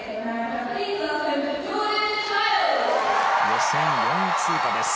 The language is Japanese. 予選４位通過です